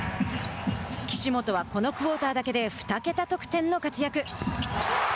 岸本は、このクオーターだけで２桁得点の活躍。